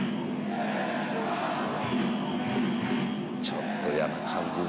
「ちょっと嫌な感じですよ」